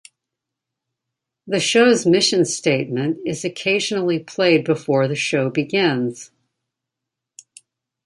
The show's mission statement is occasionally played before the show begins.